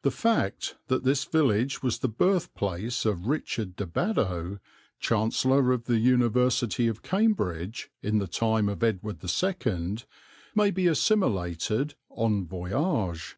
The fact that this village was the birthplace of Richard de Badow, Chancellor of the University of Cambridge, in the time of Edward II, may be assimilated en voyage.